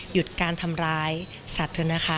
หยุดการทำร้ายสัตว์เถอะนะคะ